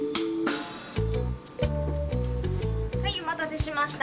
はいお待たせしました。